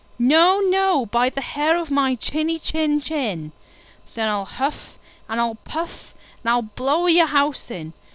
"No, no, by the hair of my chinny chin chin." "Then I'll huff and I'll puff, and I'll blow your house in."